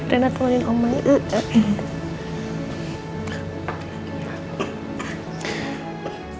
rena temanin omanya